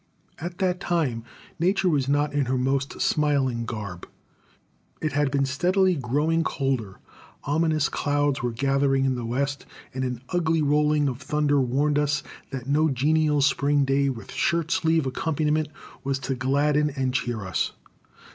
At that time Nature was not in her most smiling garb. It had been steadily growing colder, ominous clouds were gathering in the west, and an ugly rolling of thunder warned us that no genial spring day with shirt sleeve accompaniment was to gladden and cheer us.